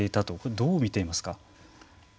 どうみていますか。